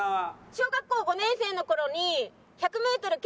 小学校５年生の頃にすごい！